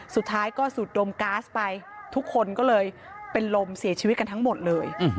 สุดท้ายก็สุดดมก๊าซไปทุกคนก็เลยเป็นลมเสียชีวิตกันทั้งหมดเลย